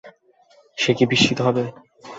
সে কি বিস্মিত হবে?